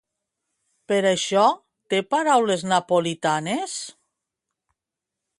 Per això, té paraules napolitanes?